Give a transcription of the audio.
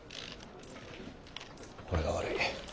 俺が悪い。